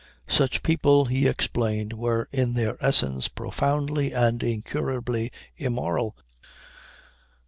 Such people, he explained, were in their essence profoundly and incurably immoral.